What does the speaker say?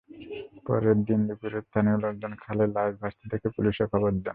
পরের দিনদুপুরে স্থানীয় লোকজন খালে লাশ ভাসতে দেখে পুলিশে খবর দেন।